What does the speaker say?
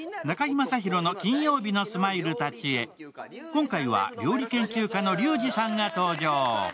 今回は料理研究家のリュウジさんが登場。